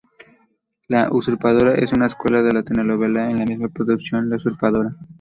La Usurpadora es una secuela de la telenovela de la misma producción La usurpadora.